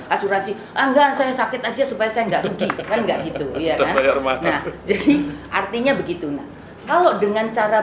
asuransi angga saya sakit aja supaya saya enggak begitu ya jadi artinya begitu kalau dengan cara